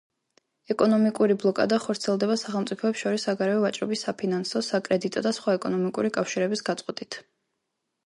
ეკონომიკური ბლოკადა ხორციელდება სახელმწიფოებს შორის საგარეო ვაჭრობის, საფინანსო, საკრედიტო და სხვა ეკონომიკური კავშირების გაწყვეტით.